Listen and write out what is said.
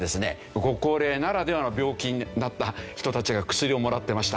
ご高齢ならではの病気になった人たちが薬をもらってました。